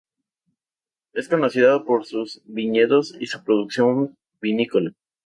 Es conocida por sus viñedos y su producción vinícola.